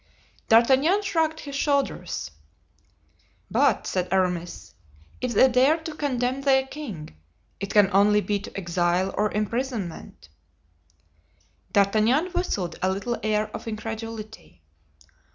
D'Artagnan shrugged his shoulders. "But," said Aramis, "if they dare to condemn their king, it can only be to exile or imprisonment." D'Artagnan whistled a little air of incredulity.